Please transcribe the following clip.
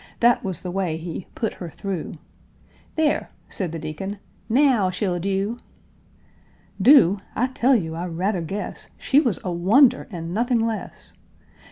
That was the way he "put her through." "There!" said the Deacon, "naow she'll dew!" Do! I tell you, I rather guess She was a wonder, and nothing less!